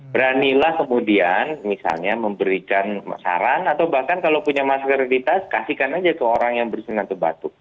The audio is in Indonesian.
beranilah kemudian misalnya memberikan saran atau bahkan kalau punya masker di tas kasihkan aja ke orang yang bersin atau batuk